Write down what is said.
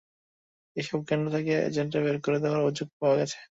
এসব কেন্দ্র থেকে তাঁর এজেন্টদের বের করে দেওয়া অভিযোগ পাওয়া গেছে।